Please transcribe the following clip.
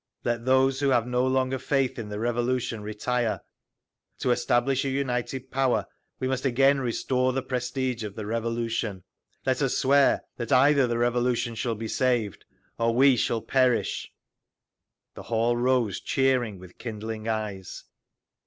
Let those who have no longer faith in the Revolution retire…. To establish a united power, we must again restore the prestige of the Revolution…. "Let us swear that either the Revolution shall be saved—or we shall perish!" The hall rose, cheering, with kindling eyes.